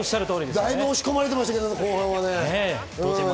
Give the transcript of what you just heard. だいぶ押し込まれてましたけど、後半は。